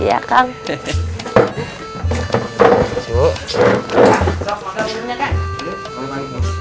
cuk makan minumnya kan